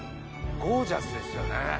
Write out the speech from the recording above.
ゴージャスですよね。